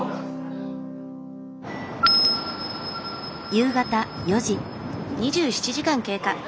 夕方４時。